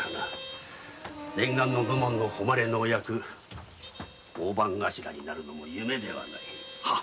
念願の武門の誉れの職・大番頭になるのも夢ではない。